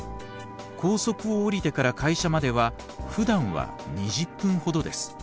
高速を降りてから会社まではふだんは２０分ほどです。